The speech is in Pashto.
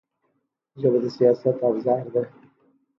ژبه د سیاست ابزار ده